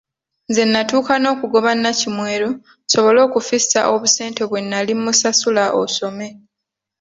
Nze natuuka n’okugoba Nakimwero, nsobole okufissa obusente obwo bwe nnali musasula osome.